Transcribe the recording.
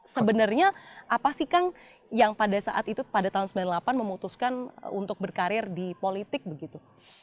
sebenarnya apa sih kang yang pada saat itu pada tahun seribu sembilan ratus sembilan puluh delapan memutuskan untuk berkarir di politik begitu